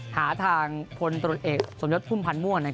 หาทางพลตรวจเอกสมยุทธภูมิพันธ์ม่วน